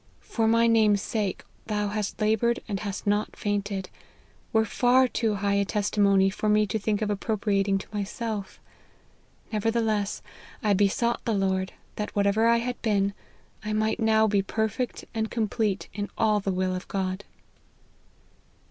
For my name's sake thou hast laboured and hast not fainted,' were far too high a testimony for me to think of appropriating to myself; nevertheless I besought the Lord, that whatever I had been, I might now be perfect and complete in all the will of God."